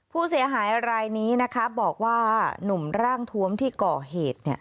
ผู้เสียหายรายนี้นะคะบอกว่าหนุ่มร่างทวมที่ก่อเหตุ